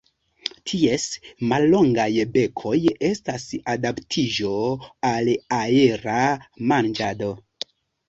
Ties mallongaj bekoj estas adaptiĝo al aera manĝado.